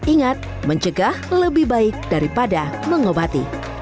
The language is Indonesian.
ingat mencegah lebih baik daripada mengobati